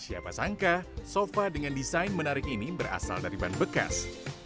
siapa sangka sofa dengan desain menarik ini berasal dari ban bekas